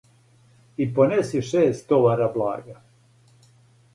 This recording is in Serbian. И понеси шест товара блага;